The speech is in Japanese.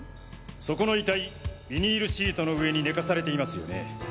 そこの遺体ビニールシートの上に寝かされていますよね。